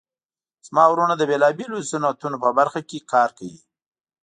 زما وروڼه د بیلابیلو صنعتونو په برخه کې کار کوي